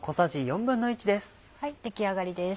出来上がりです。